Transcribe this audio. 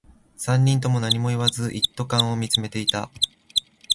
三人とも何も言わず、一斗缶を見つめていた